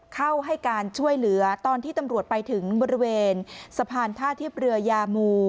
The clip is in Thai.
เข้าให้การช่วยเหลือตอนที่ตำรวจไปถึงบริเวณสะพานท่าเทียบเรือยามู